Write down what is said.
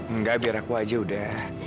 enggak biar aku aja udah